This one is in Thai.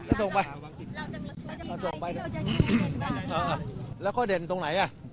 วันนี้แล้วเค้าเด่นตรงไหนอ่ะ